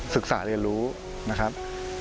ศึกษาเรียนรู้นะครับ